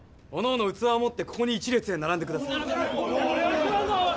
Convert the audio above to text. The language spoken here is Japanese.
おのおの器を持ってここに１列で並んで下さい。